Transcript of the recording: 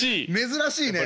珍しいね。